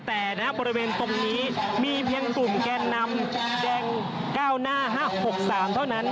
แต่ณบริเวณตรงนี้มีเพียงกลุ่มแกนนำแดง๙หน้า๕๖๓เท่านั้น